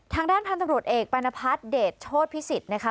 ทางด้านพันธุ์ตำรวจเอกปานพัฒน์เดชโชธพิสิทธิ์นะคะ